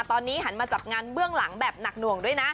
ตอนนี้หันมาจับงานเบื้องหลังแบบหนักหน่วงด้วยนะ